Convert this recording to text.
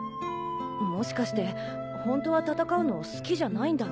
もしかして本当は戦うの好きじゃないんだろ。